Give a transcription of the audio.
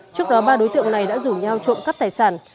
trước đó ba đối tượng này đã rủ nhau trộm cắp tài sản